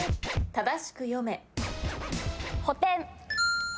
正しく読め。